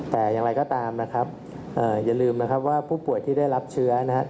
แต่อย่างไรก็ตามนะครับอย่าลืมนะครับว่าผู้ป่วยที่ได้รับเชื้อนะครับ